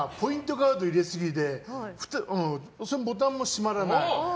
カード入れすぎてボタンも閉まらない。